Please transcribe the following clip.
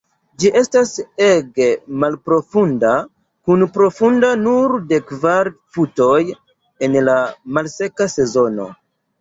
Ĝi estas ege malprofunda, kun profundo nur de kvar futoj en la malseka sezono.